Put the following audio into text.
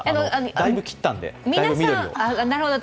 だいぶ切ったんで、だいぶ緑を。